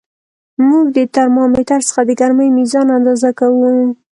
موږ د ترمامتر څخه د ګرمۍ میزان اندازه کوو.